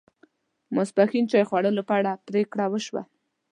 ماپښین چای خوړلو په اړه پرېکړه و شوه.